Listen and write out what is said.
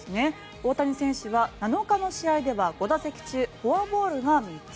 大谷選手は７日の試合では５打席中フォアボールが３つ。